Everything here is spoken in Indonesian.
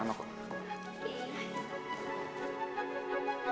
nggak ada sebentar ya